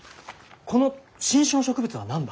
この新種の植物は何だ？